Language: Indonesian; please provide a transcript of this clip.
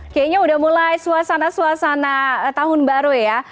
kayaknya udah mulai suasana suasana tahun baru ya